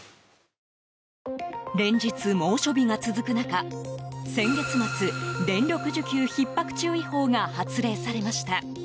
連日、猛暑日が続く中先月末電力需給ひっ迫注意報が発令されました。